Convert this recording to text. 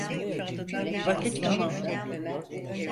Vakit tamam.